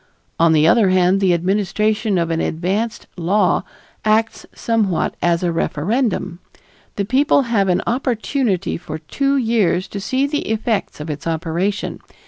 On the other hand, the administration of an advanced law acts somewhat as a referendum. The people have an opportunity for two years to see the effects of its operation.